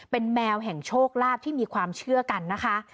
เป็นแมวแห่งโชคลาภที่มีความเชื่อกันนะคะ